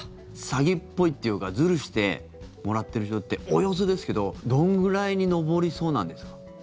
詐欺っぽいというかずるしてもらってる人っておよそですけど、どのぐらいに上りそうなんですか？